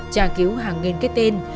trả cứu hàng nghìn cái tên